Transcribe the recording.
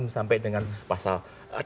sampai dengan pasal dua puluh tiga